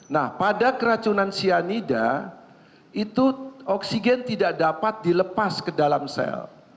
nah pada keracunan cyanida itu oksigen tidak dapat dilepas ke dalam sel